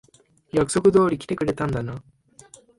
約束通り来てくれたんだな。